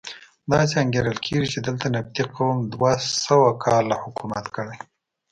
داسې انګېرل کېږي چې دلته نبطي قوم دوه سوه کاله حکومت کړی.